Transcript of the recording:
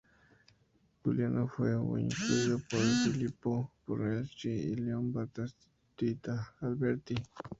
Giuliano fue muy influido por Filippo Brunelleschi y Leon Battista Alberti.